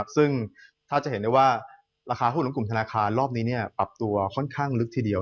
ซึ่งถ้าจะเห็นได้ว่าราคาหุ้นของกลุ่มธนาคารรอบนี้ปรับตัวค่อนข้างลึกทีเดียว